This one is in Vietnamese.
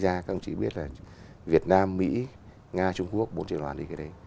các ông chỉ biết là việt nam mỹ nga trung quốc bốn trường đoàn đi cái đấy